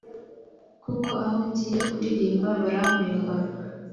kuko aho ngiye kuririmba barampemba.